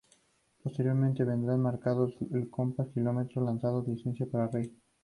Posteriormente vendrían "Marcando el compás", "Kilómetro lanzado", "Licencia para reír".